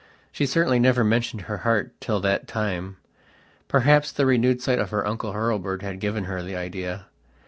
She certainly never mentioned her heart till that time. Perhaps the renewed sight of her Uncle Hurlbird had given her the idea.